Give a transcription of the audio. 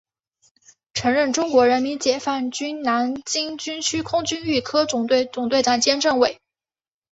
曾任中国人民解放军南京军区空军预科总队总队长兼政委。